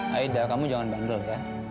maida kamu jangan bandel ya